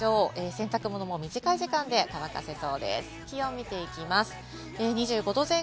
洗濯物も短い時間で乾かせそ